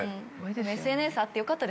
ＳＮＳあってよかった。